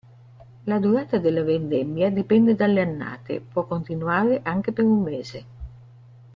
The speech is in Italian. La durata della vendemmia dipende dalle annate: può continuare anche per un mese.